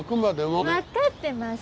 わかってます。